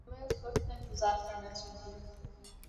ہمیں اس وقت کا انتظار کرنا چاہیے۔